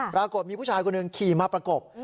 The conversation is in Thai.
ปรากฏมีผู้ชายคนหนึ่งขี่มาประกบ